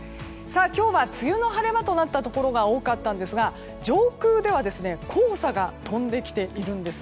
今日は梅雨の晴れ間となったところが多かったんですが上空では黄砂が飛んできているんです。